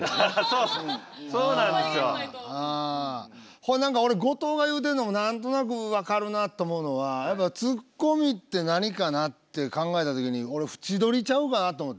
ほいで何か俺後藤が言うてんのも何となく分かるなと思うのはやっぱツッコミって何かなって考えた時に俺縁どりちゃうかなと思って。